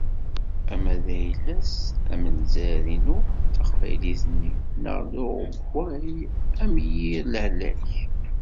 Ama d ayla-s, am « Lezzayer-inu » d « Taqbaylit-nni » neɣ n uɣewwaɣ, am « Yir Lehlak ».